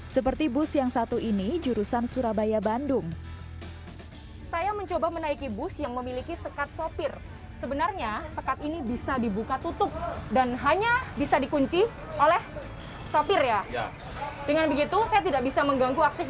seperti bus yang satu ini jurusan surabaya bandung